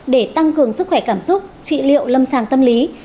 để tăng cường sức khỏe cảm xúc trị liệu lâm sàng tâm lý